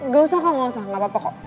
gak usah kak gak usah gak apa apa kok